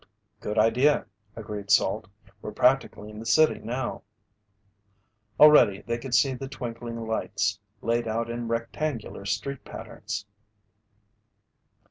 "Good idea," agreed Salt. "We're practically in the city now." Already they could see the twinkling lights, laid out in rectangular street patterns.